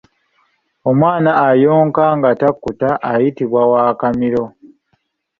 Omwana ayonka nga takkuta ayitibwa wa Kamiro.